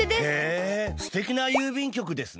へえすてきな郵便局ですね。